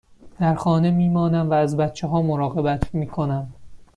در خانه می مانم و از بچه ها مراقبت می کنم.